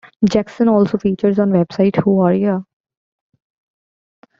Jackson also features on website Who Are Ya?!